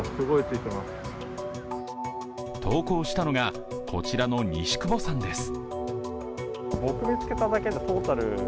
投稿したのが、こちらの西久保さんです。